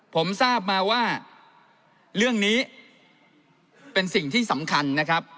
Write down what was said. ผมทราบมาว่าเรื่องนี้เป็นสิ่งที่สำคัญนะครับ